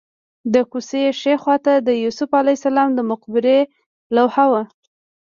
د کوڅې ښي خوا ته د یوسف علیه السلام د مقبرې لوحه وه.